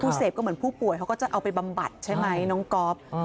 เสพก็เหมือนผู้ป่วยเขาก็จะเอาไปบำบัดใช่ไหมน้องก๊อฟ